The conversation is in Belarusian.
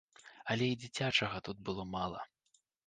Але і дзіцячага тут было мала.